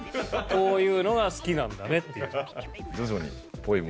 「こういうのが好きなんだね」っていう。